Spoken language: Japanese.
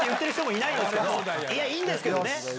いや、いいんですけどね。